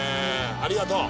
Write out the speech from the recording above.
ありがとう。